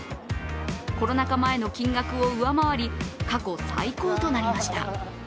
コロナ禍前の金額を上回り過去最高となりました。